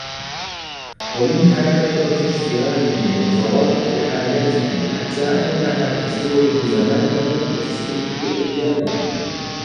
وَمِنْهَا كَثْرَةُ اشْتِغَالِهِ وَتَرَادُفُ حَالَاتِهِ حَتَّى أَنَّهَا تَسْتَوْعِبُ زَمَانَهُ وَتَسْتَنْفِدُ أَيَّامَهُ